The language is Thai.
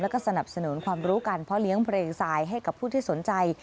แล้วก็สนับสนุนความรู้การเพาะเลี้ยงเพลงทรายให้กับผู้ที่สนใจ